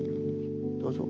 どうぞ。